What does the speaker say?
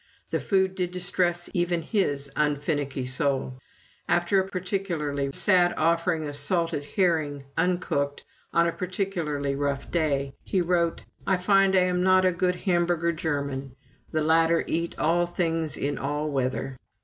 The food did distress even his unfinicky soul. After a particularly sad offering of salt herring, uncooked, on a particularly rough day, he wrote, "I find I am not a good Hamburger German. The latter eat all things in all weather."